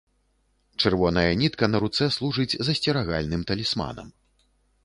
Чырвоная нітка на руцэ служыць засцерагальным талісманам.